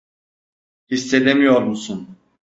Hissedemiyor musun?